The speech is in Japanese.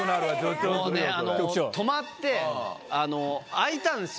もうねあの止まって開いたんですよ